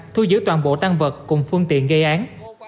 thu giữ toàn bộ tan vật cùng phương tiện gây án